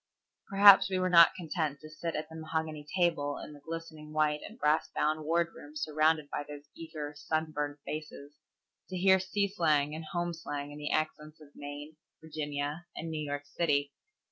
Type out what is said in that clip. Perhaps we were not content to sit at the mahogany table in the glistening white and brass bound wardroom surrounded by those eager, sunburned faces, to hear sea slang and home slang in the accents of Maine, Virginia, and New York City.